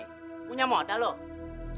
kamu punya modal bukan